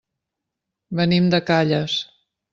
Venim de Calles.